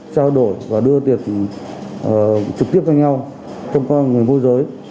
trao đổi và đưa tiền trực tiếp cho nhau không có người mua dưới